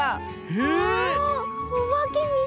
ええ⁉わあおばけみたい。